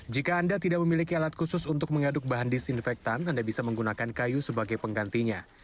jika anda tidak memiliki alat khusus untuk mengaduk bahan disinfektan anda bisa menggunakan kayu sebagai penggantinya